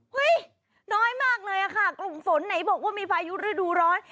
น้อยมากเลยค่ะกลุ่มฝนไหนบอกว่ามีพายุฤดูร้อน